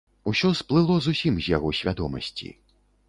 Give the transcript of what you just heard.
Усё сплыло зусім з яго свядомасці.